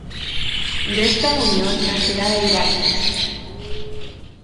De esta unión nacerá Heracles.